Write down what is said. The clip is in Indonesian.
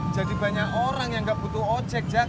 jadi banyak orang yang gak butuh ojek